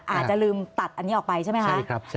อาจจะลืมตัดอันนี้ออกไปใช่ไหมคะ